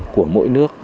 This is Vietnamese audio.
của mỗi nước